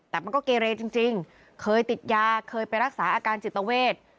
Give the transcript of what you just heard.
แต่มันก็เกเรจริงเคยติดยาเคยไปรักษาอาการจิตเวท